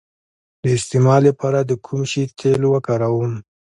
د استما لپاره د کوم شي تېل وکاروم؟